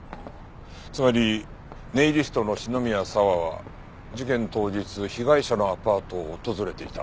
つまりネイリストの篠宮佐和は事件当日被害者のアパートを訪れていた。